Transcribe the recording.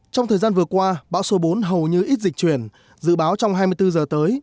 trong thời gian vừa qua bão số bốn hầu như ít dịch chuyển dự báo trong hai mươi bốn giờ tới